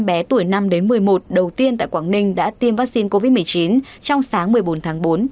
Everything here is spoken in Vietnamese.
hai trăm linh bé tuổi năm đến một mươi một đầu tiên tại quảng ninh đã tiêm vaccine covid một mươi chín trong sáng một mươi bốn tháng bốn